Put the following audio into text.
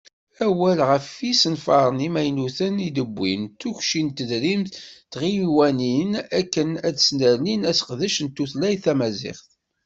Awal ɣef yisenfaren imaynuten i d-tewwim, d tukci n tedrimt i tɣiwanin akken ad snernim aseqdec n tutlayt tamaziɣt